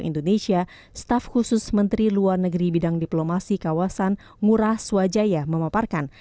indonesia staf khusus menteri luar negeri bidang diplomasi kawasan ngurah swajaya memaparkan